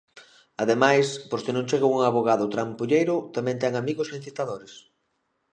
Ademais, por se non chega un avogado trampulleiro, tamén ten amigos incitadores.